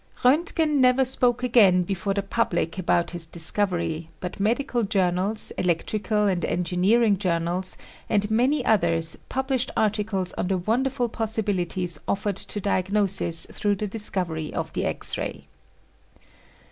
Roentgen never spoke again before the public about his discovery but medical journals, electrical and engineering journals, and many others, published articles on the wonderful possibilities offered to diagnosis through the discovery of the X ray.